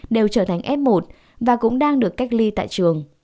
đều trở thành f một và cũng đang được cách ly tại trường